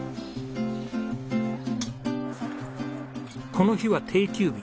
この日は定休日。